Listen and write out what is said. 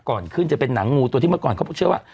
ก่อนขึ้นจะเป็นหนังงูตัวที่เมื่อก่อนเขาเชื่อว่า